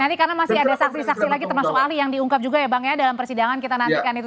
nanti karena masih ada saksi saksi lagi termasuk ahli yang diungkap juga ya bang ya dalam persidangan kita nantikan itu